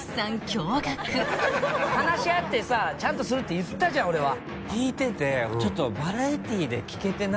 驚がく話し合ってさちゃんとするて言ったじゃん俺は。